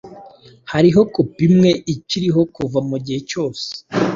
Hariho kopi imwe ikiriho kuva mugihe cyose